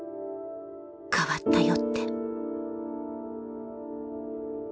「『変わったよ』って」